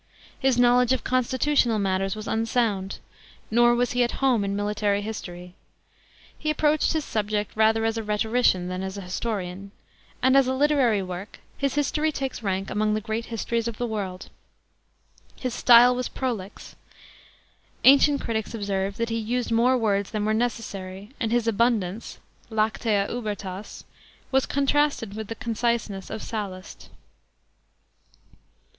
His knowledge of constitutional matters was unsound ; nor was he at home in military history. He approached his subject rather as a rheto rician than as a historian ; and as a literary work his history takes rank among the great histories of the world. His style was prolix. Ancient critics observed that he used more words than were necessary, and his "abundance" (lactea ubertas) was contrasted with the conciseness of Sallust.